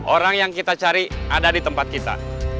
orang yang kita cari ada di tempat kita